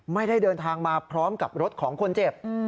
ไม่ได้เดินทางมาพร้อมกับรถของคนเจ็บ